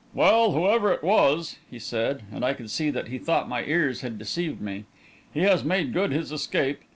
"Well, whoever it was," he said, and I could see that he thought my ears had deceived me, "he has made good his escape.